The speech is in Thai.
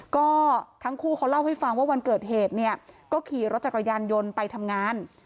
ก็ทั้งคู่เขาเล่าให้ฟังว่าวันเกิดเหตุเนี่ยก็ขี่รถจักรยานยนต์ไปทำงาน